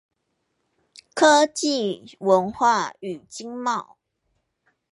科技、文化與經貿